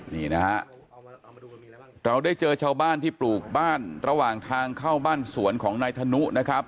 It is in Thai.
นี่นะฮะเราได้เจอชาวบ้านที่ปลูกบ้านระหว่างทางเข้าบ้านสวนของนายธนุนะครับ